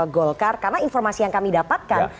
golkar karena informasi yang kami dapatkan